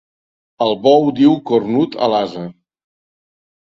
El bou diu cornut a l'ase.